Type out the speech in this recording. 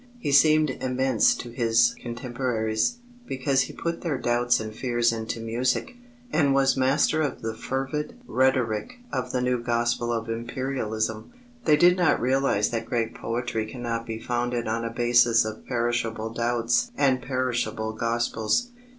He seemed immense to his contemporaries, because he put their doubts and fears into music, and was master of the fervid rhetoric of the new gospel of Imperialism. They did not realize that great poetry cannot be founded on a basis of perishable doubts and perishable gospels.